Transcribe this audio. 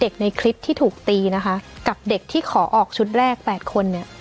ในคลิปที่ถูกตีนะคะกับเด็กที่ขอออกชุดแรก๘คนเนี่ย